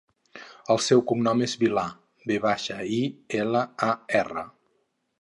El seu cognom és Vilar: ve baixa, i, ela, a, erra.